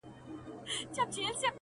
نفیب ټول ژوند د غُلامانو په رکم نیسې.